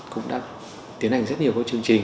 cũng đã tiến hành rất nhiều bộ chương trình